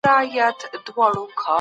که غفلت کوئ تاوان به کوئ.